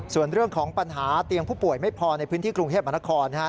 ส่วนเรื่องของปัญหาเตียงผู้ป่วยไม่พอในพื้นที่กรุงเทพมหานครนะครับ